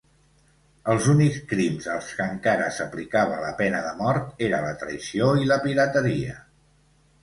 Els únics crims als que encara s'aplicava la pena de mort eren la traïció i la pirateria.